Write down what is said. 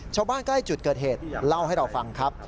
ชาวบ้านใกล้จุดเกิดเหตุเล่าให้เราฟังครับ